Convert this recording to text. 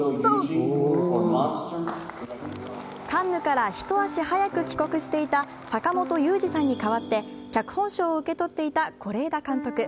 カンヌから一足早く帰国していた坂元裕二さんに代わって脚本賞を受け取っていた是枝監督。